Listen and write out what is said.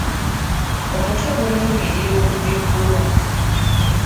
Omutwe gunnumirira okuva eggulo.